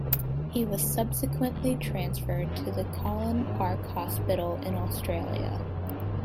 He was subsequently transferred to the Callan Park Hospital in Australia.